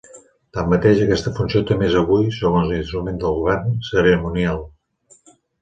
Tanmateix, aquesta funció també és avui, segons l'instrument de govern, cerimonial.